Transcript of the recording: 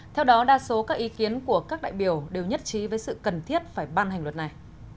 theo đó đa số các ý kiến của các đại biểu đều nhất trí với sự cần thiết phải ban hành luật này